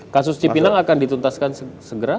kasus cipinang akan dituntaskan segera